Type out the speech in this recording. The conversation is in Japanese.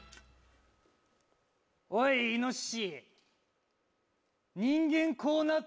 おいイノシシ。